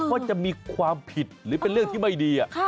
ว่าจะมีความผิดหรือเป็นเรื่องที่ไม่ดี